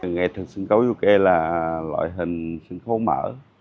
nghệ thuật sân cấu du ke là loại hình sân phố mở